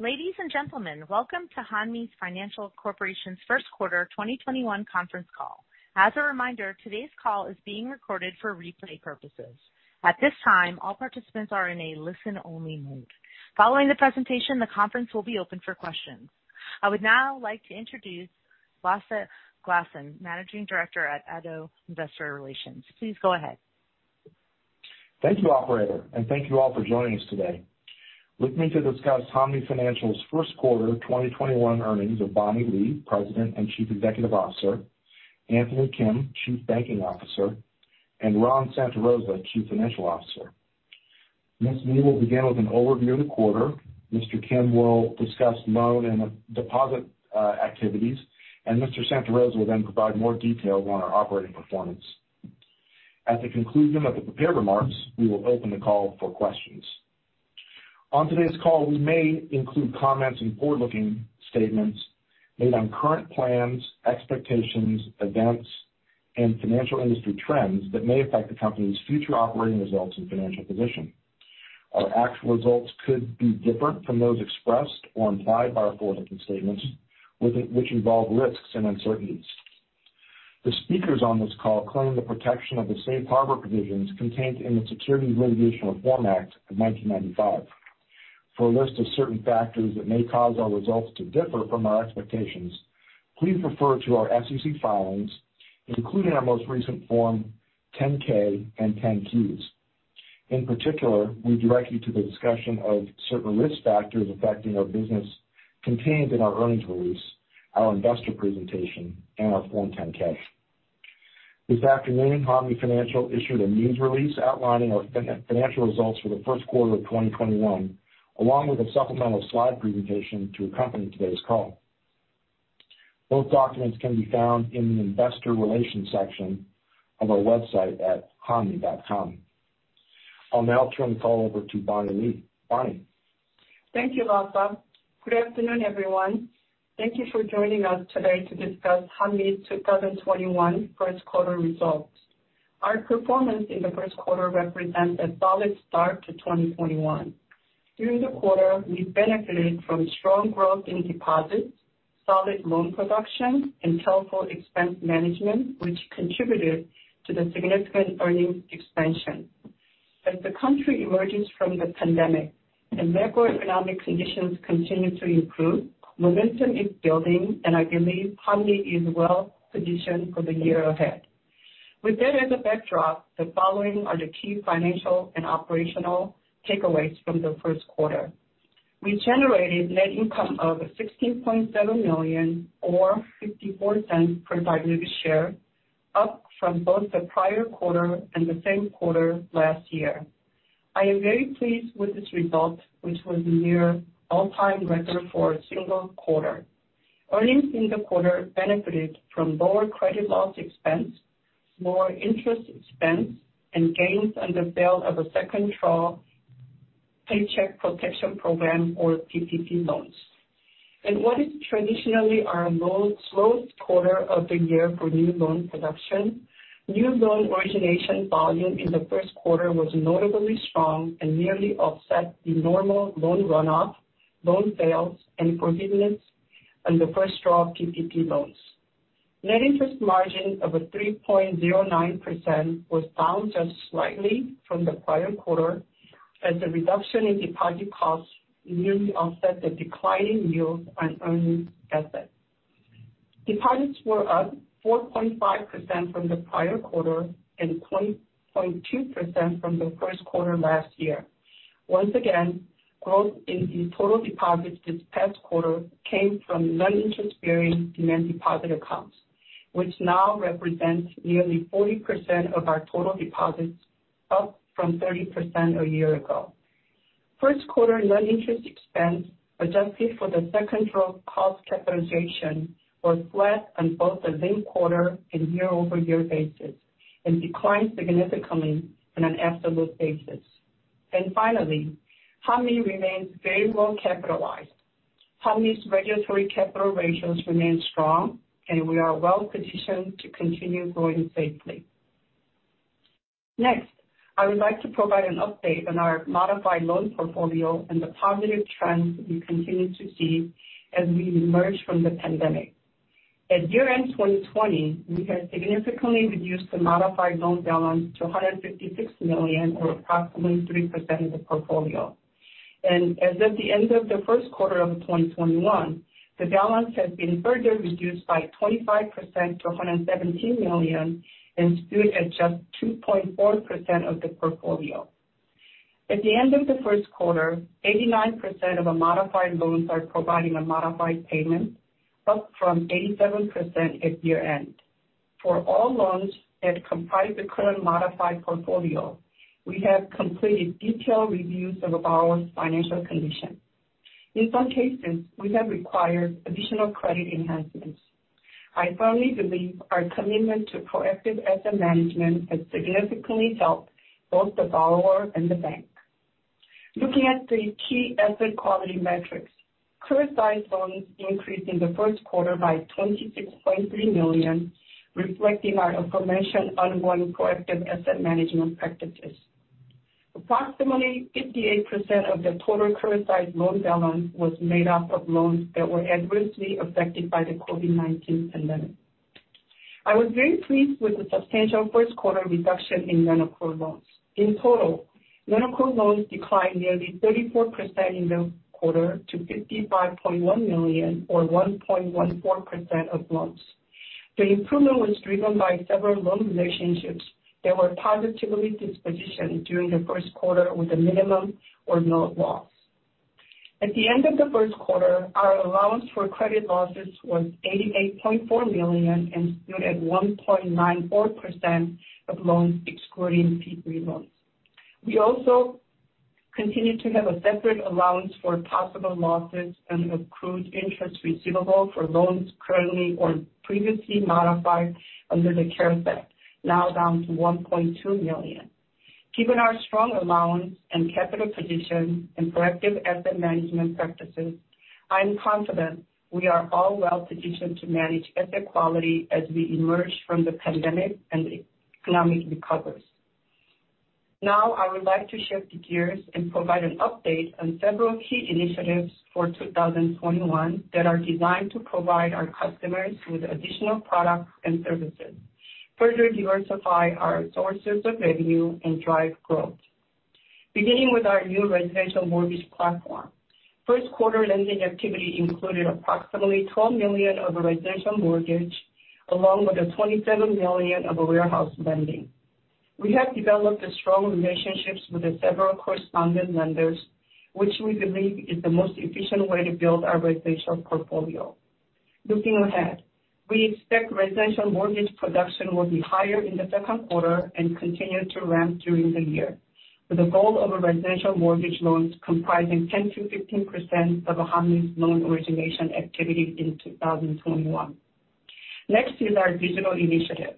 Ladies and gentlemen, welcome to Hanmi Financial Corporation's first quarter 2021 conference call. As a reminder, today's call is being recorded for replay purposes. At this time, all participants are in a listen-only mode. Following the presentation, the conference will be open for questions. I would now like to introduce Lasse Glassen, Managing Director at Addo Investor Relations. Please go ahead. Thank you, operator, and thank you all for joining us today. With me to discuss Hanmi Financial's first quarter 2021 earnings are Bonnie Lee, President and Chief Executive Officer, Anthony Kim, Chief Banking Officer, and Ron Santarosa, Chief Financial Officer. Ms. Lee will begin with an overview of the quarter, Mr. Kim will discuss loan and deposit activities, and Mr. Santarosa will then provide more detail on our operating performance. At the conclusion of the prepared remarks, we will open the call for questions. On today's call, we may include comments and forward-looking statements made on current plans, expectations, events, and financial industry trends that may affect the company's future operating results and financial position. Our actual results could be different from those expressed or implied by our forward-looking statements, which involve risks and uncertainties. The speakers on this call claim the protection of the safe harbor provisions contained in the Private Securities Litigation Reform Act of 1995. For a list of certain factors that may cause our results to differ from our expectations, please refer to our SEC filings, including our most recent Form 10-K and 10-Qs. In particular, we direct you to the discussion of certain risk factors affecting our business contained in our earnings release, our investor presentation, and our Form 10-K. This afternoon, Hanmi Financial issued a news release outlining our financial results for the first quarter of 2021, along with a supplemental slide presentation to accompany today's call. Both documents can be found in the investor relations section of our website at hanmi.com. I'll now turn the call over to Bonnie Lee. Bonnie? Thank you, Lasse. Good afternoon, everyone. Thank you for joining us today to discuss Hanmi's 2021 first quarter results. Our performance in the first quarter represents a solid start to 2021. During the quarter, we benefited from strong growth in deposits, solid loan production, and helpful expense management, which contributed to the significant earnings expansion. As the country emerges from the pandemic and macroeconomic conditions continue to improve, momentum is building, and I believe Hanmi is well-positioned for the year ahead. With that as a backdrop, the following are the key financial and operational takeaways from the first quarter. We generated net income of $16.7 million or $0.54 per provided share, up from both the prior quarter and the same quarter last year. I am very pleased with this result, which was near all-time record for a single quarter. Earnings in the quarter benefited from lower credit loss expense, more interest expense, and gains on the sale of a second draw Paycheck Protection Program or PPP loans. In what is traditionally our slowest quarter of the year for new loan production, new loan origination volume in the first quarter was notably strong and merely offset the normal loan runoff, loan sales, and forgiveness on the first draw of PPP loans. Net interest margin of 3.09% was down just slightly from the prior quarter as the reduction in deposit costs merely offset the declining yield on earning assets. Deposits were up 4.5% from the prior quarter and 20.2% from the first quarter last year. Once again, growth in total deposits this past quarter came from non-interest-bearing demand deposit accounts, which now represents nearly 40% of our total deposits, up from 30% a year ago. First quarter non-interest expense, adjusted for the second draw cost capitalization, was flat on both the same quarter and year-over-year basis, declined significantly on an absolute basis. Finally, Hanmi remains very well capitalized. Hanmi's regulatory capital ratios remain strong, and we are well-positioned to continue growing safely. Next, I would like to provide an update on our modified loan portfolio and the positive trends that we continue to see as we emerge from the pandemic. At year-end 2020, we had significantly reduced the modified loan balance to $156 million or approximately 3% of the portfolio. As of the end of the first quarter of 2021, the balance has been further reduced by 25% to $117 million and stood at just 2.4% of the portfolio. At the end of the first quarter, 89% of the modified loans are providing a modified payment, up from 87% at year-end. For all loans that comprise the current modified portfolio, we have completed detailed reviews of the borrower's financial condition. In some cases, we have required additional credit enhancements. I firmly believe our commitment to proactive asset management has significantly helped both the borrower and the Bank. Looking at the key asset quality metrics, current size loans increased in the first quarter by $26.3 million, reflecting our aforementioned ongoing proactive asset management practices. Approximately 58% of the total criticized loan balance was made up of loans that were adversely affected by the COVID-19 pandemic. I was very pleased with the substantial first quarter reduction in non-accrual loans. In total, non-accrual loans declined nearly 34% in the quarter to $55.1 million or 1.14% of loans. The improvement was driven by several loan relationships that were positively dispositioned during the first quarter with a minimum or no loss. At the end of the first quarter, our allowance for credit losses was $88.4 million and stood at 1.94% of loans excluding PPP loans. We also continue to have a separate allowance for possible losses and accrued interest receivable for loans currently or previously modified under the CARES Act, now down to $1.2 million. Given our strong allowance and capital position and proactive asset management practices, I'm confident we are well positioned to manage asset quality as we emerge from the pandemic and the economic recovery. Now I would like to shift gears and provide an update on several key initiatives for 2021 that are designed to provide our customers with additional products and services, further diversify our sources of revenue, and drive growth. Beginning with our new residential mortgage platform. First quarter lending activity included approximately $12 million of a residential mortgage, along with a $27 million of a warehouse lending. We have developed strong relationships with several correspondent lenders, which we believe is the most efficient way to build our residential portfolio. Looking ahead, we expect residential mortgage production will be higher in the second quarter and continue to ramp during the year, with a goal of residential mortgage loans comprising 10%-15% of Hanmi's loan origination activity in 2021. Next is our digital initiative,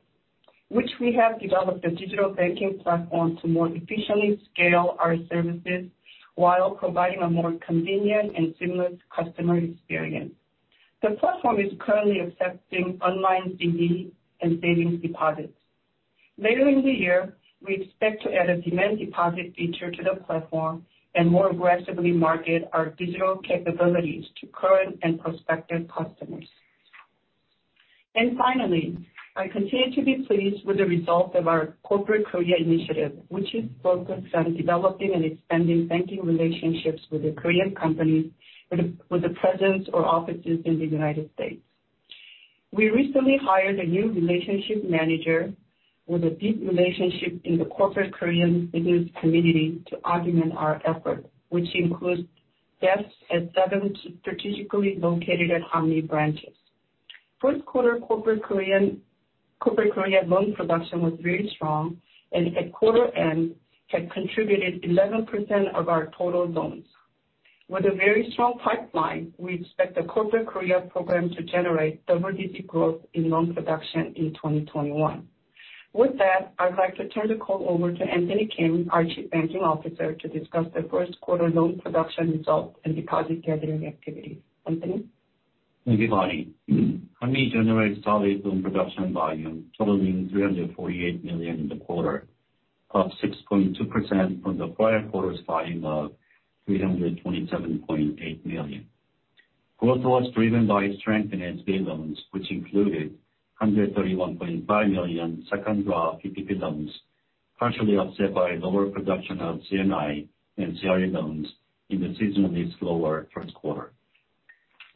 which we have developed a digital banking platform to more efficiently scale our services while providing a more convenient and seamless customer experience. The platform is currently accepting online CD and savings deposits. Later in the year, we expect to add a demand deposit feature to the platform and more aggressively market our digital capabilities to current and prospective customers. Finally, I continue to be pleased with the result of our Corporate Korea initiative, which is focused on developing and expanding banking relationships with Korean companies with a presence or offices in the United States. We recently hired a new relationship manager with a deep relationship in the Corporate Korea business community to augment our effort, which includes desks at seven strategically located Hanmi branches. First quarter Corporate Korea loan production was very strong and at quarter end had contributed 11% of our total loans. With a very strong pipeline, we expect the Corporate Korea program to generate double-digit growth in loan production in 2021. With that, I'd like to turn the call over to Anthony Kim, our Chief Banking Officer, to discuss the first quarter loan production results and deposit gathering activities. Anthony? Thank you, Bonnie. Hanmi generated solid loan production volume totaling $348 million in the quarter, up 6.2% from the prior quarter's volume of $327.8 million. Growth was driven by strength in SBA loans, which included $131.5 million second draw PPP loans, partially offset by lower production of C&I and CRE loans in the seasonally slower first quarter.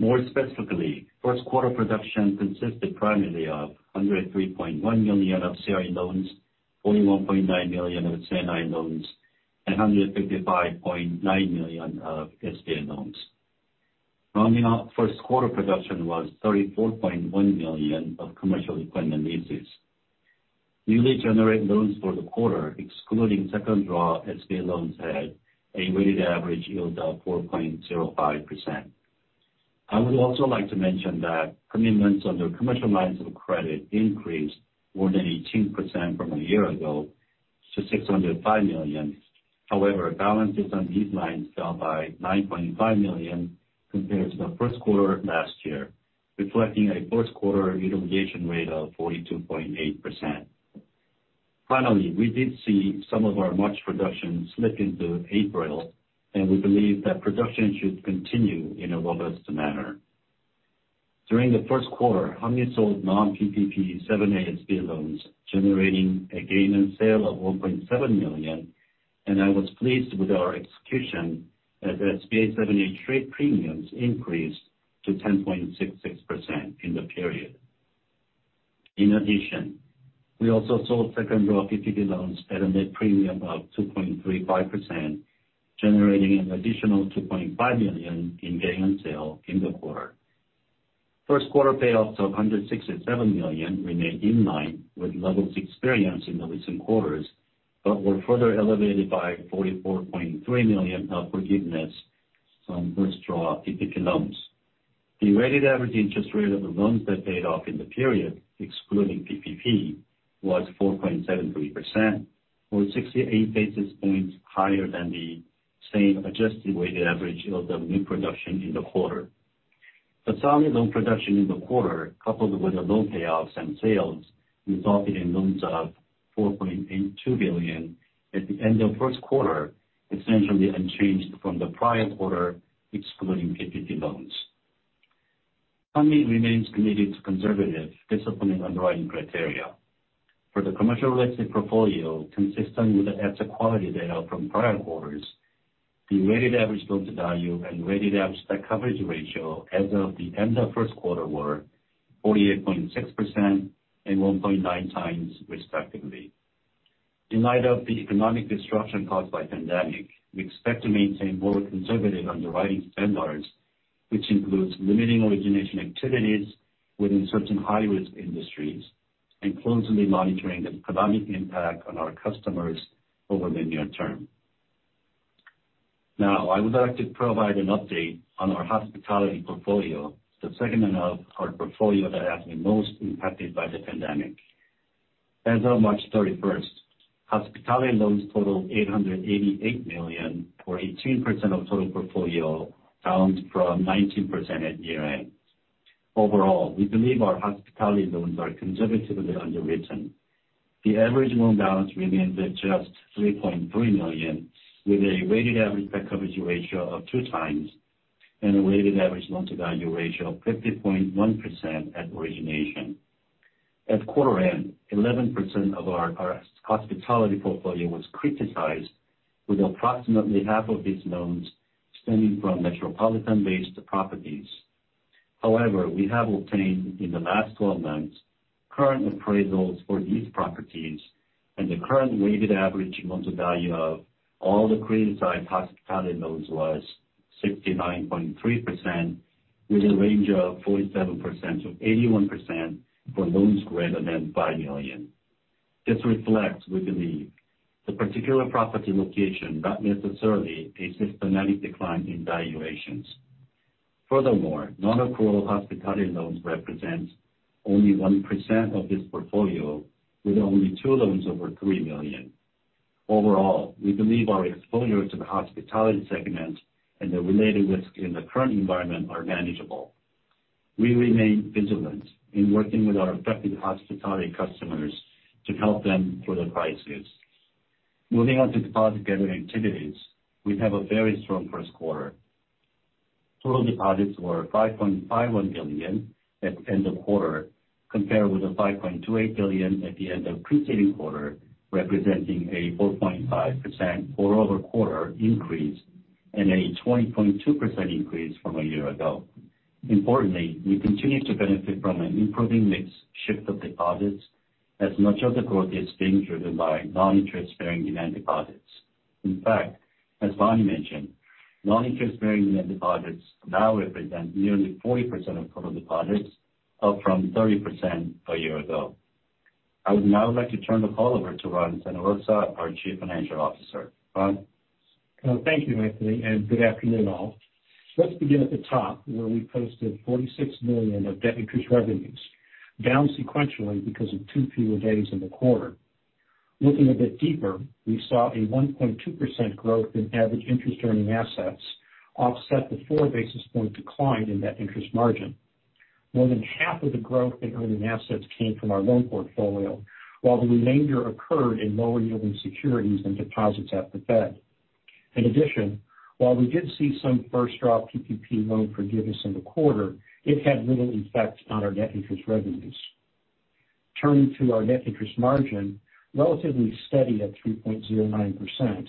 More specifically, first quarter production consisted primarily of $103.1 million of CRE loans, $41.9 million of C&I loans, and $155.9 million of SBA loans. Rounding out first quarter production was $34.1 million of commercial equipment leases. Newly generated loans for the quarter, excluding second draw SBA loans, had a weighted average yield of 4.05%. I would also like to mention that commitments under commercial lines of credit increased more than 18% from a year ago to $605 million. However, balances on these lines fell by $9.5 million compared to the first quarter of last year, reflecting a first quarter utilization rate of 42.8%. Finally, we did see some of our March production slip into April, and we believe that production should continue in a robust manner. During the first quarter, Hanmi sold non-PPP 7A SBA loans, generating a gain on sale of $1.7 million, and I was pleased with our execution as SBA 7A trade premiums increased to 10.66% in the period. In addition, we also sold second draw PPP loans at a net premium of 2.35%, generating an additional $2.5 million in gain on sale in the quarter. First quarter payoffs of $167 million remained in line with levels experienced in the recent quarters but were further elevated by $44.3 million of forgiveness on first draw PPP loans. The weighted average interest rate of the loans that paid off in the period, excluding PPP, was 4.73%, or 68 basis points higher than the same adjusted weighted average yield of new production in the quarter. Solid loan production in the quarter, coupled with the loan payoffs and sales, resulted in loans of $4.82 billion at the end of first quarter, essentially unchanged from the prior quarter, excluding PPP loans. Hanmi remains committed to conservative, disciplined underwriting criteria. For the commercial real estate portfolio, consistent with the asset quality data from prior quarters, the weighted average loan to value and weighted average debt coverage ratio as of the end of first quarter were 48.6% and 1.9x respectively. In light of the economic disruption caused by pandemic, we expect to maintain more conservative underwriting standards, which includes limiting origination activities within certain high-risk industries and closely monitoring the economic impact on our customers over the near term. I would like to provide an update on our hospitality portfolio, the segment of our portfolio that has been most impacted by the pandemic. As of March 31st, hospitality loans total $888 million, or 18% of total portfolio, down from 19% at year-end. We believe our hospitality loans are conservatively underwritten. The average loan balance remains at just $3.3 million, with a weighted average debt coverage ratio of 2x and a weighted average loan to value ratio of 50.1% at origination. At quarter end, 11% of our hospitality portfolio was criticized with approximately half of these loans stemming from metropolitan-based properties. However, we have obtained in the last 12 months current appraisals for these properties and the current weighted average loan to value of all the criticized hospitality loans was 69.3%, with a range of 47%-81% for loans greater than $5 million. This reflects, we believe, the particular property location, not necessarily a systematic decline in valuations. Furthermore, non-accrual hospitality loans represents only 1% of this portfolio, with only two loans over $3 million. Overall, we believe our exposure to the hospitality segment and the related risk in the current environment are manageable. We remain vigilant in working with our affected hospitality customers to help them through the crisis. Moving on to deposit gathering activities, we have a very strong first quarter. Total deposits were $5.51 billion at the end of quarter, compared with the $5.28 billion at the end of preceding quarter, representing a 4.5% quarter-over-quarter increase and a 20.2% increase from a year ago. Importantly, we continue to benefit from an improving mix shift of deposits as much of the growth is being driven by non-interest bearing demand deposits. In fact, as Bonnie mentioned, non-interest bearing demand deposits now represent nearly 40% of total deposits, up from 30% a year ago. I would now like to turn the call over to Ron Santarosa, our Chief Financial Officer. Ron? Thank you, Anthony. Good afternoon, all. Let's begin at the top, where we posted $46 million of net interest revenues, down sequentially because of two fewer days in the quarter. Looking a bit deeper, we saw a 1.2% growth in average interest earning assets offset the 4 basis point decline in net interest margin. More than half of the growth in earning assets came from our loan portfolio, while the remainder occurred in lower yielding securities and deposits at the Fed. In addition, while we did see some first draw PPP loan forgiveness in the quarter, it had little effect on our net interest revenues. Turning to our net interest margin, relatively steady at 3.09%.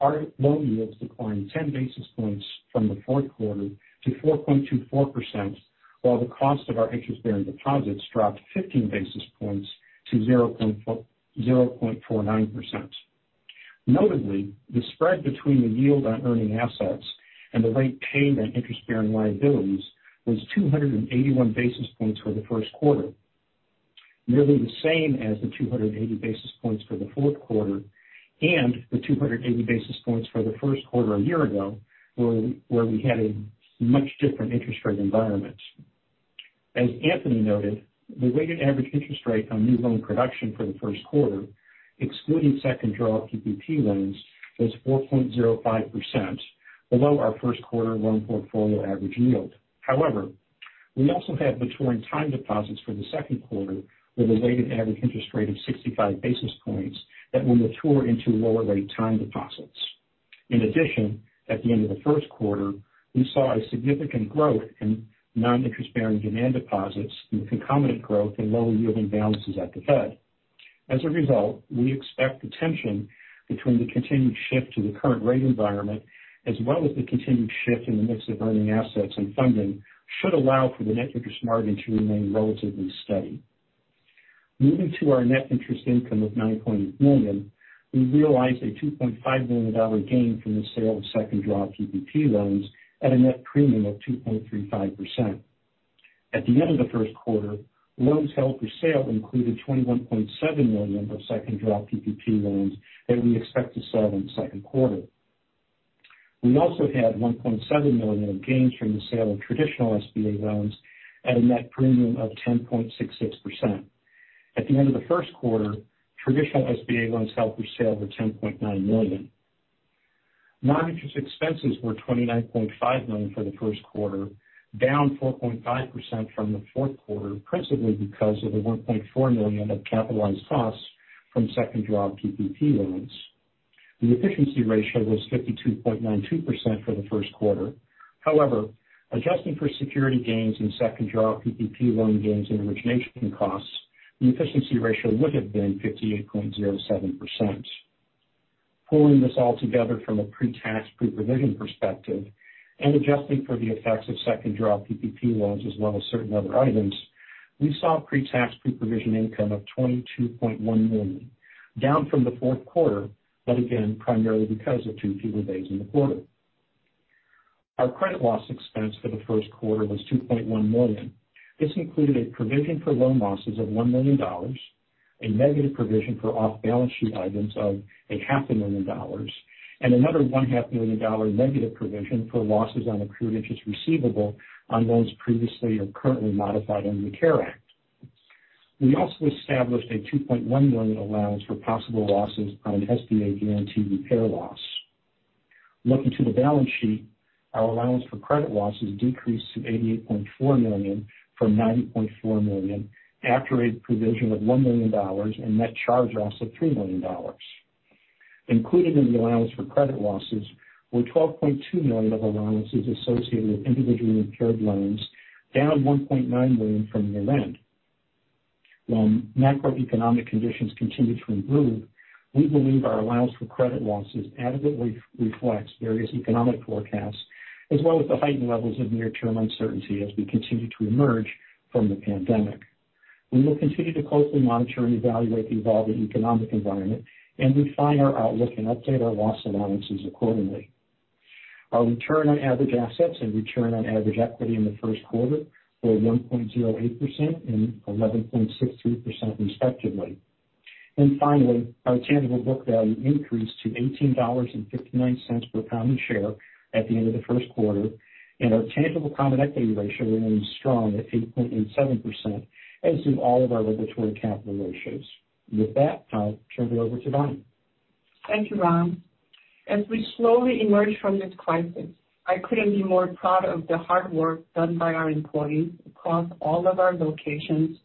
Our loan yields declined 10 basis points from the fourth quarter to 4.24%, while the cost of our interest-bearing deposits dropped 15 basis points to 0.49%. Notably, the spread between the yield on earning assets and the rate paid on interest-bearing liabilities was 281 basis points for the first quarter, nearly the same as the 280 basis points for the fourth quarter and the 280 basis points for the first quarter a year ago, where we had a much different interest rate environment. As Anthony noted, the weighted average interest rate on new loan production for the first quarter, excluding second draw PPP loans, was 4.05%, below our first quarter loan portfolio average yield. We also have maturing time deposits for the second quarter with a weighted average interest rate of 65 basis points that will mature into lower rate time deposits. At the end of the first quarter, we saw a significant growth in non-interest bearing demand deposits and concomitant growth in lower yielding balances at the Fed. As a result, we expect the tension between the continued shift to the current rate environment as well as the continued shift in the mix of earning assets and funding should allow for the net interest margin to remain relatively steady. Moving to our net interest income of $9.8 million, we realized a $2.5 million gain from the sale of second draw PPP loans at a net premium of 2.35%. At the end of the first quarter, loans held for sale included $21.7 million of second draw PPP loans that we expect to sell in the second quarter. We also had $1.7 million of gains from the sale of traditional SBA loans at a net premium of 10.66%. At the end of the first quarter, traditional SBA loans held for sale were $10.9 million. Non-interest expenses were $29.5 million for the first quarter, down 4.5% from the fourth quarter, principally because of the $1.4 million of capitalized costs from second draw PPP loans. The efficiency ratio was 52.92% for the first quarter. Adjusting for security gains and second draw PPP loan gains and origination costs, the efficiency ratio would have been 58.07%. Pulling this all together from a pre-tax, pre-provision perspective and adjusting for the effects of second draw PPP loans, as well as certain other items, we saw pre-tax, pre-provision income of $22.1 million, down from the fourth quarter, but again, primarily because of two fewer days in the quarter. Our credit loss expense for the first quarter was $2.1 million. This included a provision for loan losses of $1 million, a negative provision for off-balance-sheet items of a $500,000, and another one-$500,000 negative provision for losses on accrued interest receivable on loans previously or currently modified under the CARES Act. We also established a $2.1 million allowance for possible losses on an SBA guarantee repair loss. Looking to the balance sheet, our allowance for credit losses decreased to $88.4 million from $90.4 million after a provision of $1 million and net charge-offs of $3 million. Included in the allowance for credit losses were $12.2 million of allowances associated with individually impaired loans, down $1.9 million from year-end. While macroeconomic conditions continue to improve, we believe our allowance for credit losses adequately reflects various economic forecasts, as well as the heightened levels of near-term uncertainty as we continue to emerge from the pandemic. We will continue to closely monitor and evaluate the evolving economic environment and refine our outlook and update our loss allowances accordingly. Our return on average assets and return on average equity in the first quarter were 1.08% and 11.63% respectively. Finally, our tangible book value increased to $18.59 per common share at the end of the first quarter. Our tangible common equity ratio remains strong at 8.87%, as do all of our regulatory capital ratios. With that, I'll turn it over to Bonnie. Thank you, Ron. As we slowly emerge from this crisis, I couldn't be more proud of the hard work done by our employees across all of our locations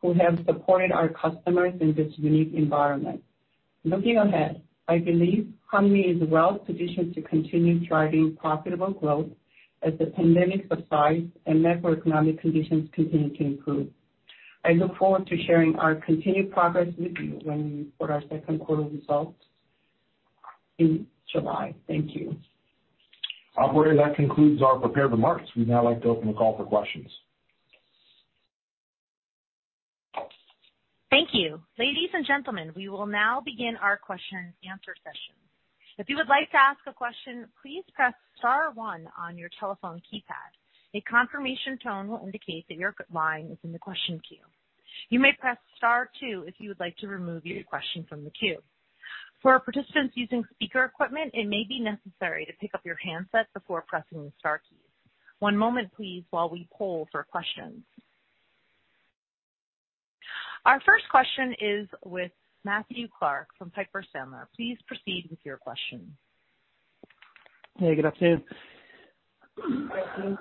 who have supported our customers in this unique environment. Looking ahead, I believe Hanmi is well positioned to continue driving profitable growth as the pandemic subsides and macroeconomic conditions continue to improve. I look forward to sharing our continued progress with you when we report our second quarter results in July. Thank you. Operator, that concludes our prepared remarks. We'd now like to open the call for questions. Thank you. Our first question is with Matthew Clark from Piper Sandler. Please proceed with your question. Hey, good afternoon. Good afternoon.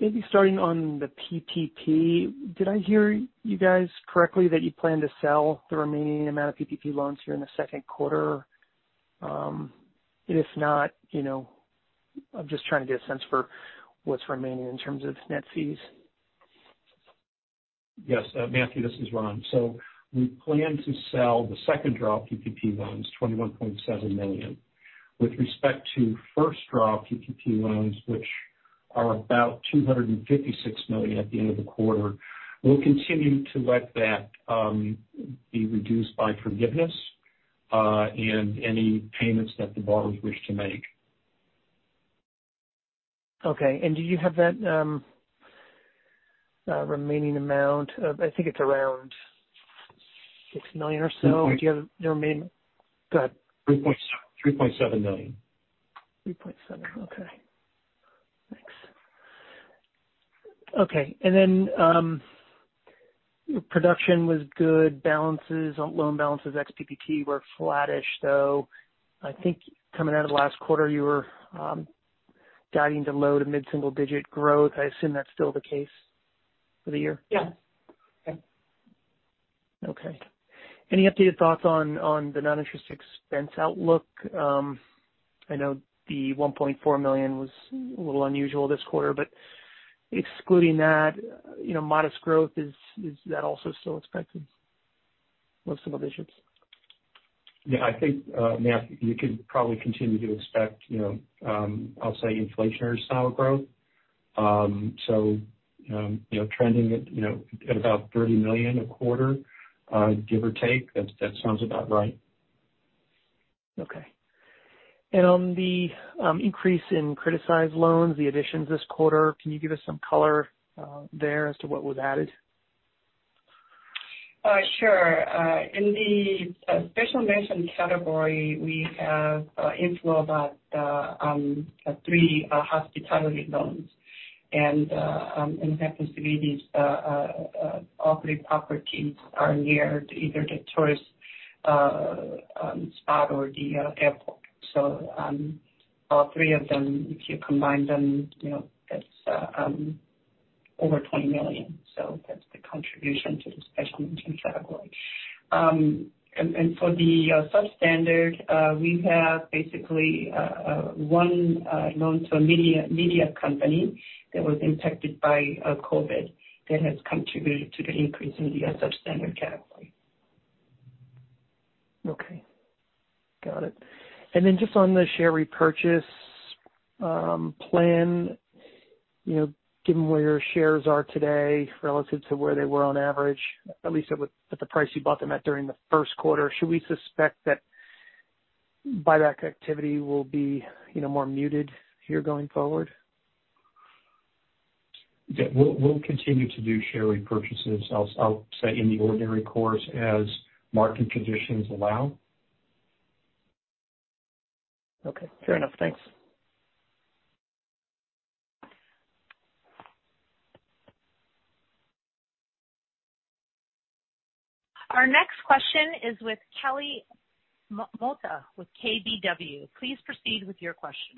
Maybe starting on the PPP, did I hear you guys correctly that you plan to sell the remaining amount of PPP loans here in the second quarter? If not, I'm just trying to get a sense for what's remaining in terms of net fees. Yes, Matthew, this is Ron. We plan to sell the second draw PPP loans, $21.7 million. With respect to first draw PPP loans, which are about $256 million at the end of the quarter, we'll continue to let that be reduced by forgiveness, and any payments that the borrowers wish to make. Okay. Do you have that remaining amount of, I think it's around $6 million or so? $3.7 million. 3.7. Okay. Thanks. Okay. Production was good. Loan balances ex-PPP were flattish, though. I think coming out of the last quarter, you were guiding to low to mid-single digit growth. I assume that's still the case for the year? Yes. Okay. Any updated thoughts on the non-interest expense outlook? I know the $1.4 million was a little unusual this quarter, but excluding that, modest growth, is that also still expected with some of the issues? Yeah, I think, Matt, you could probably continue to expect, I'll say inflationary style growth. Trending at about $30 million a quarter, give or take, that sounds about right. Okay. On the increase in criticized loans, the additions this quarter, can you give us some color there as to what was added? Sure. In the special mention category, we have inflow about three hospitality loans. It happens to be these operating properties are near either the tourist spot or the airport. All three of them, if you combine them, that's over $20 million. That's the contribution to the special mention category. For the substandard, we have basically one loan to a media company that was impacted by COVID that has contributed to the increase in the substandard category. Okay. Got it. Just on the share repurchase plan, given where your shares are today relative to where they were on average, at least at the price you bought them at during the first quarter, should we suspect that buyback activity will be more muted here going forward? Yeah. We'll continue to do share repurchases, I'll say, in the ordinary course as market conditions allow. Okay. Fair enough. Thanks. Our next question is with Kelly Motta with KBW. Please proceed with your question.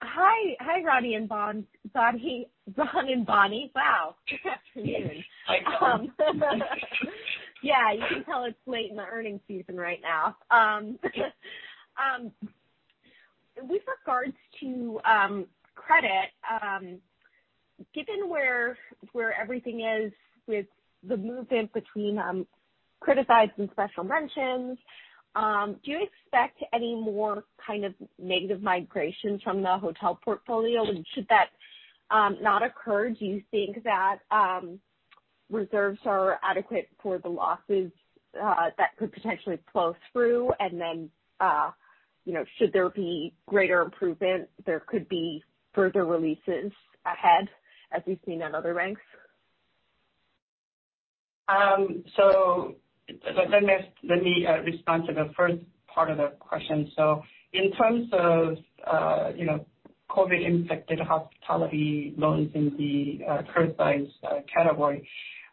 Hi. Hi, Ron and Bonnie. Wow. Hi, Kelly. Yeah, you can tell it's late in the earnings season right now. With regards to credit, given where everything is with the movement between criticized and special mentions, do you expect any more kind of negative migration from the hotel portfolio? Should that not occur, do you think that reserves are adequate for the losses that could potentially flow through? Should there be greater improvement, there could be further releases ahead as we've seen at other banks? Let me respond to the first part of the question. In terms of COVID impacted hospitality loans in the criticized category,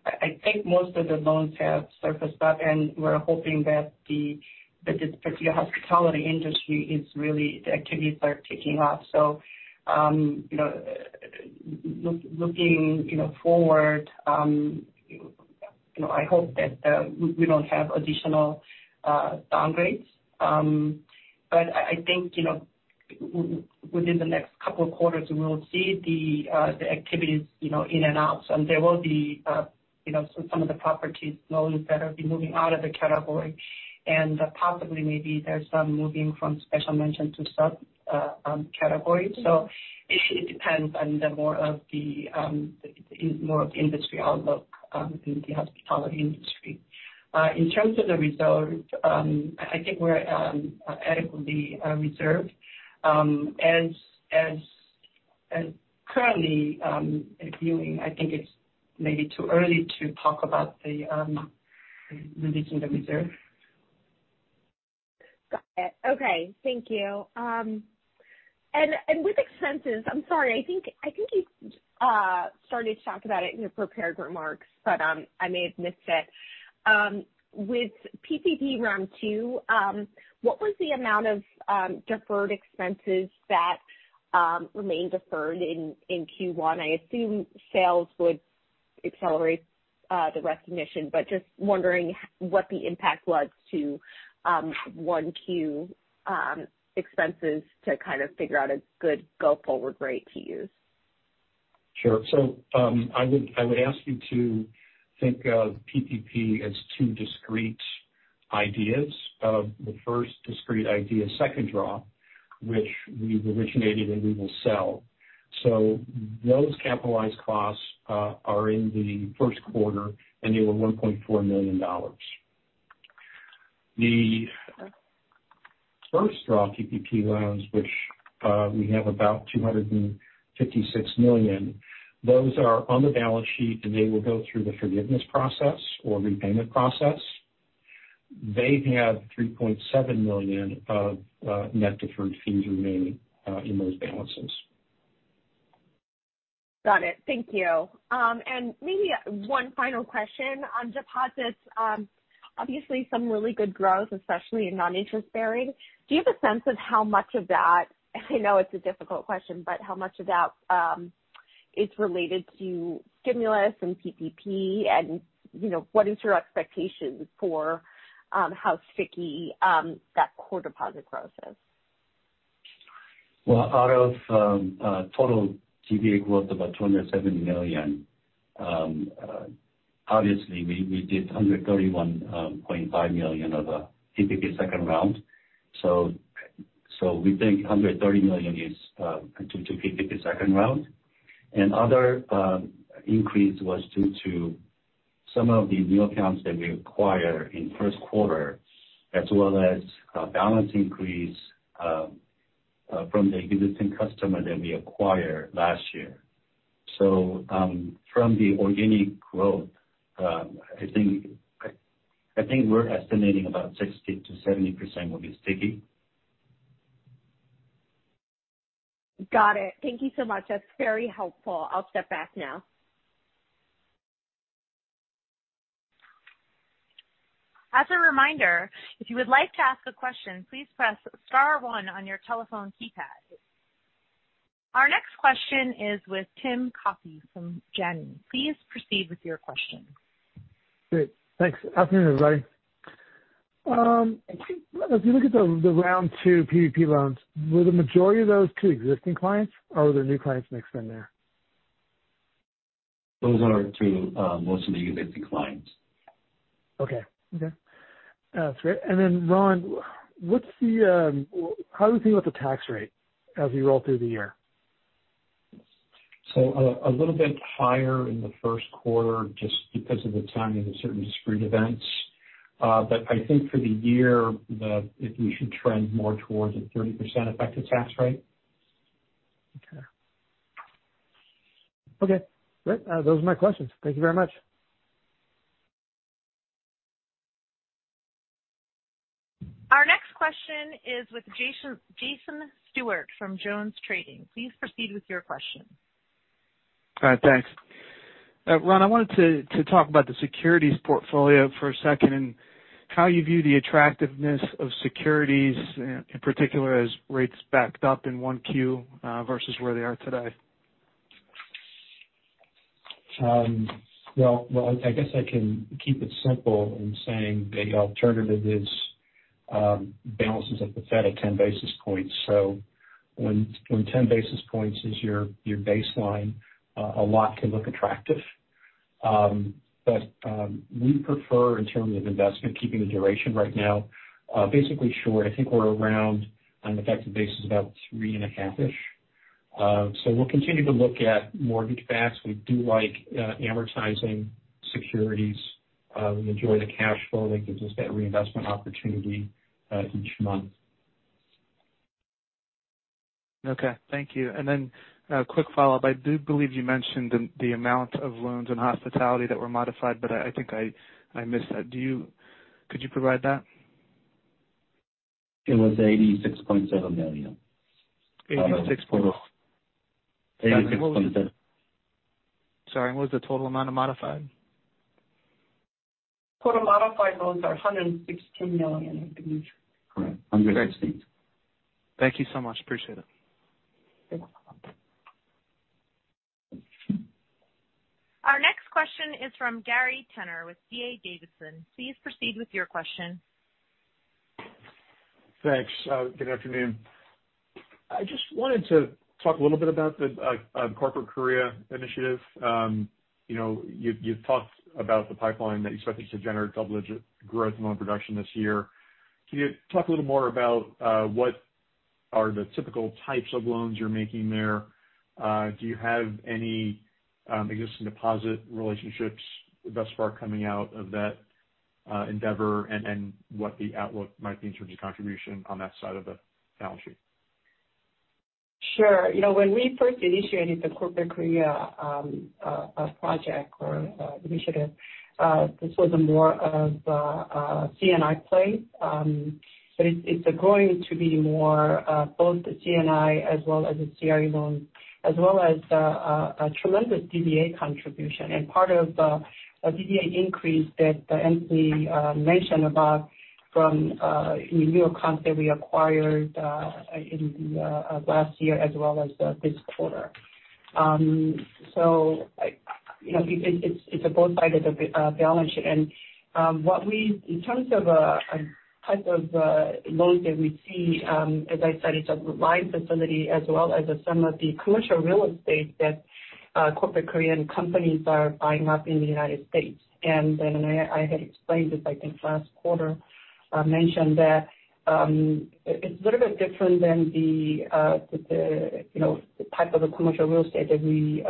I think most of the loans have surfaced up, and we're hoping that the hospitality industry is really, the activities are kicking off. Looking forward, I hope that we don't have additional downgrades. I think within the next couple of quarters, we will see the activities in and out. There will be some of the properties loans that will be moving out of the category and possibly, maybe there's some moving from special mention to sub category. It depends on the more of the industry outlook in the hospitality industry. In terms of the reserve, I think we're adequately reserved. As currently viewing, I think it's maybe too early to talk about the releasing the reserve. Got it. Okay. Thank you. With expenses, I'm sorry, I think you started to talk about it in your prepared remarks, I may have missed it. With PPP Round two, what was the amount of deferred expenses that remain deferred in Q1? I assume sales would accelerate the recognition, just wondering what the impact was to 1Q expenses to kind of figure out a good go forward rate to use. Sure. I would ask you to think of PPP as two discrete ideas. The first discrete idea, second draw, which we've originated and we will sell. Those capitalized costs are in the first quarter, and they were $1.4 million. The first draw PPP loans, which we have about $256 million, those are on the balance sheet, and they will go through the forgiveness process or repayment process. They have $3.7 million of net deferred fees remaining in those balances. Got it. Thank you. Maybe one final question on deposits. Obviously some really good growth, especially in non-interest bearing. Do you have a sense of how much of that, I know it's a difficult question, but how much of that is related to stimulus and PPP, and what is your expectation for how sticky that core deposit growth is? Out of total DDA growth, about $270 million, obviously we did $131.5 million of PPP second round. We think $130 million is due to PPP second round. Other increase was due to some of the new accounts that we acquire in first quarter as well as a balance increase from the existing customer that we acquired last year. From the organic growth, I think we're estimating about 60%-70% will be sticky. Got it. Thank you so much. That's very helpful. I'll step back now. Our next question is with Tim Coffey from Janney. Please proceed with your question. Great. Thanks. Afternoon, everybody. If you look at the round two PPP loans, were the majority of those to existing clients or were there new clients mixed in there? Those are to mostly existing clients. Okay. That's great. Ron, how are we feeling about the tax rate as we roll through the year? A little bit higher in the first quarter just because of the timing of certain discrete events. I think for the year, that we should trend more towards a 30% effective tax rate. Okay. Great. Those are my questions. Thank you very much. Our next question is with Jason Stewart from Jones Trading. Please proceed with your question. All right. Thanks. Ron, I wanted to talk about the securities portfolio for a second and how you view the attractiveness of securities, in particular as rates backed up in 1Q versus where they are today. I guess I can keep it simple in saying the alternative is balances at the Fed at 10 basis points. When 10 basis points is your baseline, a lot can look attractive. We prefer, in terms of investment, keeping the duration right now basically short. I think we're around on an effective basis about 3.5-ish-ish. We'll continue to look at mortgage backs. We do like amortizing securities. We enjoy the cash flow. It gives us that reinvestment opportunity each month. Okay. Thank you. A quick follow-up. I do believe you mentioned the amount of loans in hospitality that were modified, but I think I missed that. Could you provide that? It was $86.7 million. 86.- 86.7. Sorry, what was the total amount of modified? Total modified loans are $116 million. Correct, $116. Thank you so much. Appreciate it. You're welcome. Our next question is from Gary Tenner with D.A. Davidson. Please proceed with your question. Thanks. Good afternoon. I just wanted to talk a little bit about the Corporate Korea initiative. You've talked about the pipeline that you expect this to generate double-digit growth in loan production this year. Can you talk a little more about what are the typical types of loans you're making there? Do you have any existing deposit relationships thus far coming out of that endeavor, and what the outlook might be in terms of contribution on that side of the balance sheet? Sure. When we first initiated the Corporate Korea project or initiative, this was more of a C&I play. It's going to be more both the C&I as well as the CRE loans, as well as a tremendous DDA contribution and part of a DDA increase that Anthony mentioned about from new accounts that we acquired in last year as well as this quarter. It's both sides of the balance sheet. In terms of types of loans that we see, as I said, it's a line facility as well as some of the commercial real estate that Corporate Korea companies are buying up in the U.S. I had explained this, I think, last quarter, mentioned that it's a little bit different than the type of commercial real estate that we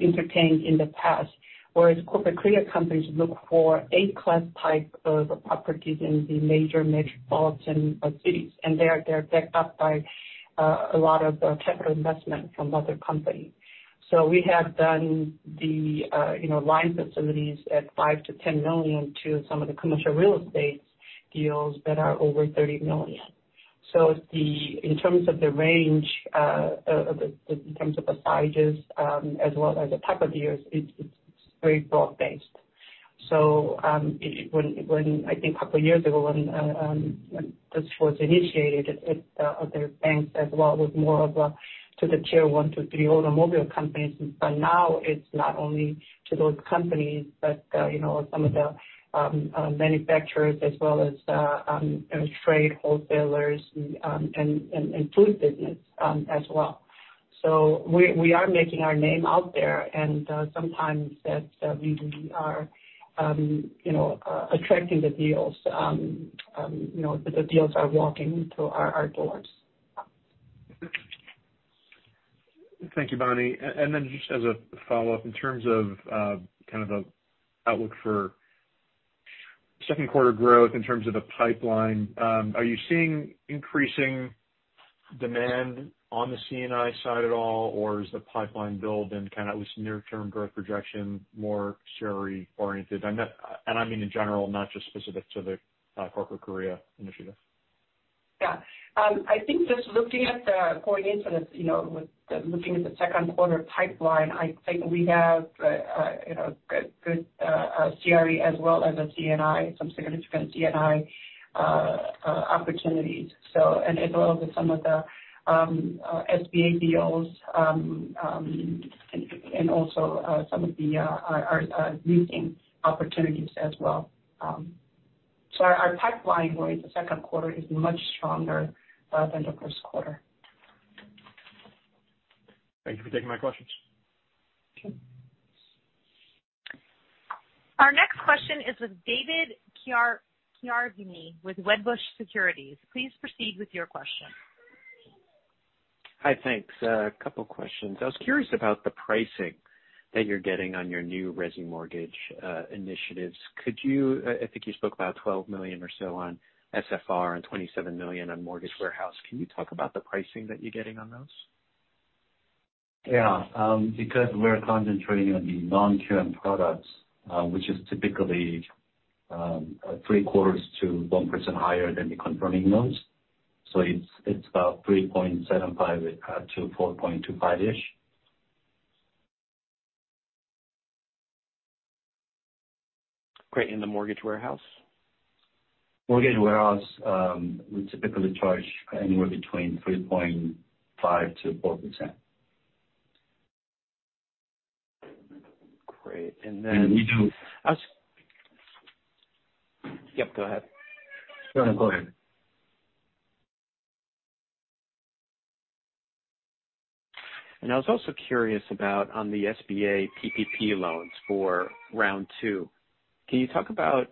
entertained in the past, whereas Corporate Korea companies look for A-class type of properties in the major metropolitan cities, and they're backed up by a lot of capital investment from other companies. We have done the line facilities at $5 million-$10 million to some of the commercial real estate deals that are over $30 million. In terms of the range, in terms of the sizes, as well as the type of deals, it's very broad-based. when I think a couple of years ago when this was initiated at other banks as well, it was more of a to the tier one, two, three automobile companies. Now it's not only to those companies, but some of the manufacturers as well as trade wholesalers and food business as well. We are making our name out there and sometimes that means we are attracting the deals. The deals are walking through our doors. Thank you, Bonnie. Just as a follow-up, in terms of an outlook for second quarter growth in terms of the pipeline, are you seeing increasing demand on the C&I side at all? Or is the pipeline build and at least near term growth projection more CRE oriented? I mean in general, not just specific to the Corporate Korea initiative. Yeah. I think just looking at the going into this, with looking at the second quarter pipeline, I think we have a good CRE as well as a C&I, some significant C&I opportunities. And as well as some of the SBA deals, and also some of the leasing opportunities as well. Our pipeline going into second quarter is much stronger than the first quarter. Thank you for taking my questions. Okay. Our next question is with David Chiaverini with Wedbush Securities. Please proceed with your question. Hi. Thanks. A couple questions. I was curious about the pricing that you're getting on your new resi mortgage initiatives. I think you spoke about $12 million or so on SFR and $27 million on Mortgage Warehouse. Can you talk about the pricing that you're getting on those? Because we're concentrating on the non-QM products, which is typically three-quarters to 1% higher than the conforming loans. It's about 3.75%-4.25%-ish. Great. In the Mortgage Warehouse? Mortgage Warehouse, we typically charge anywhere between 3.5%-4%. Great. And we do- Yep, go ahead. Go ahead. I was also curious about on the SBA PPP loans for round two, can you talk about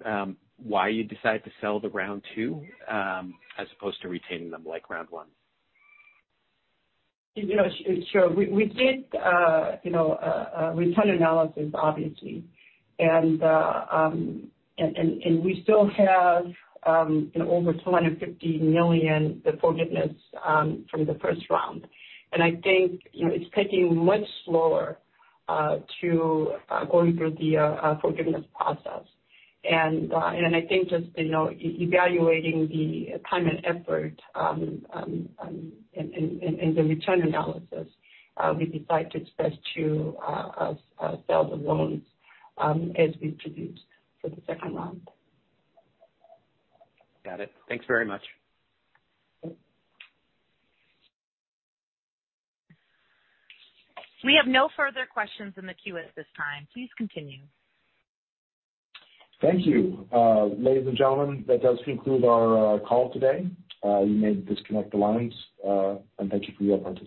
why you decided to sell the round two, as opposed to retaining them like round one? Sure. We did a return analysis, obviously. We still have over $250 million, the forgiveness from the first round. I think it's taking much slower to going through the forgiveness process. I think just evaluating the time and effort in the return analysis, we decide it's best to sell the loans as we produce for the second round. Got it. Thanks very much. Okay. We have no further questions in the queue at this time. Please continue. Thank you. Ladies and gentlemen, that does conclude our call today. You may disconnect the lines. Thank you for your participation.